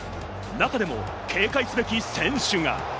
中でも警戒すべき選手が。